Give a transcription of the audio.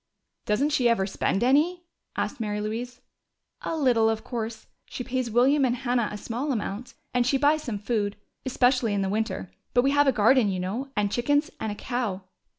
"Doesn't she ever spend any?" asked Mary Louise. "A little, of course. She pays William and Hannah a small amount, and she buys some food, especially in winter. But we have a garden, you know, and chickens and a cow."